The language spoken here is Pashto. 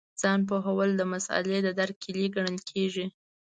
ځان پوهول د مسألې د درک کیلي ګڼل کېږي.